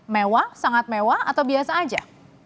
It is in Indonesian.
mewah sangat mewah atau biasa aja